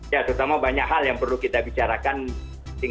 ya terutama banyak hal yang perlu kita bicarakan